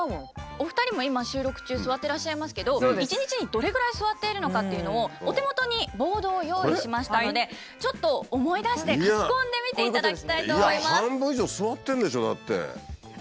お二人も今収録中座ってらっしゃいますけど１日にどれぐらい座っているのかっていうのをお手元にボードを用意しましたのでちょっと思い出して書き込んでみていただきたいと思います。